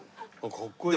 かっこいい。